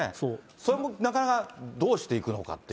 それもなかなか、どうしていくのかっていう。